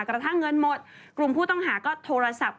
กระทั่งเงินหมดกลุ่มผู้ต้องหาก็โทรศัพท์